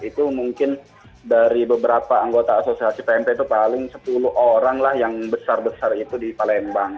itu mungkin dari beberapa anggota asosiasi pmp itu paling sepuluh orang lah yang besar besar itu di palembang